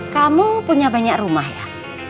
kamu punya banyak rumah ya